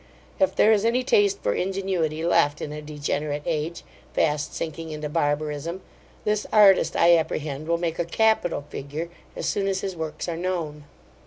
If there is any taste for ingenuity left in a degenerate age, fast sinking into barbarism, this artist, I apprehend, will make a capital figure, as soon as his works are known.